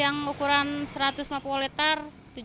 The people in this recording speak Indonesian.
yang ukuran satu ratus lima puluh liter tujuh belas